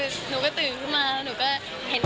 เพราะว่าเคยเห็นมารอบหนึ่ง